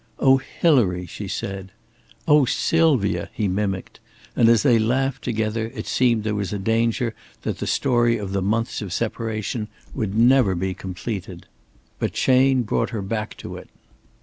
"Oh, Hilary!" she said. "Oh, Sylvia!" he mimicked; and as they laughed together, it seemed there was a danger that the story of the months of separation would never be completed. But Chayne brought her back to it.